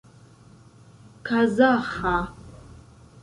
kazaĥa